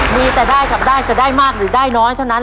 มีแต่ได้กับได้จะได้มากหรือได้น้อยเท่านั้น